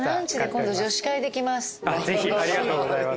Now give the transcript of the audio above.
ぜひありがとうございます。